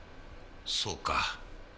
そうか。